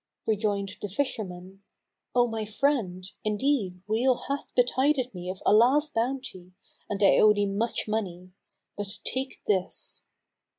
Rejoined the fisherman, "O my friend, indeed weal hath betided me of Allah's bounty, and I owe thee much money; but take this."